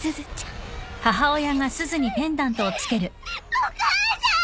お母さーん！